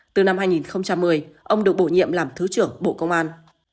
từ năm hai nghìn một mươi ông được bổ nhiệm làm thứ trưởng bộ công an